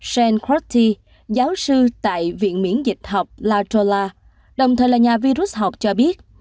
shane crotty giáo sư tại viện miễn dịch học la jolla đồng thời là nhà virus học cho biết